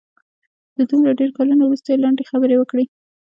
د دومره ډېرو کلونو وروسته یې لنډې خبرې وکړې.